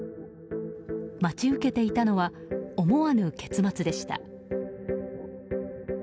待ち受けていたのは思わぬ結末でした。